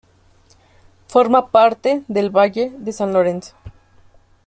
Forma parte del Valle de San Lorenzo.